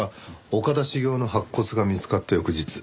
岡田茂雄の白骨が見つかった翌日。